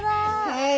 はい。